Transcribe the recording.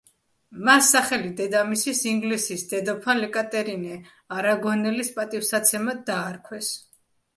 მას სახელი დეიდამისის, ინგლისის დედოფალ ეკატერინე არაგონელის პატივსაცემად დაარქვეს.